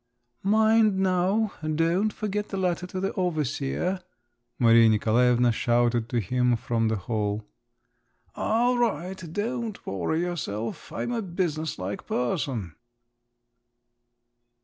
"Mind now! Don't forget the letter to the overseer," Maria Nikolaevna shouted to him from the hall. "I'll write, don't worry yourself. I'm a business like person."